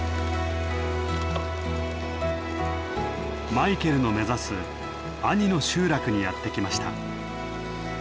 マイケルの目指す阿仁の集落にやって来ました。